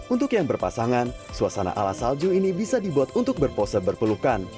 untuk yang berpasangan suasana ala salju ini bisa dibuat untuk berpose berpelukan